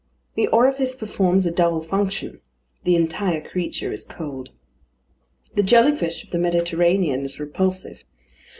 The orifice performs a double function. The entire creature is cold. The jelly fish of the Mediterranean is repulsive.